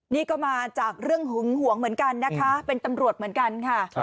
นี่ก็มาจากเรื่องหึงหวงเหมือนกันนะคะเป็นตำรวจเหมือนกันค่ะ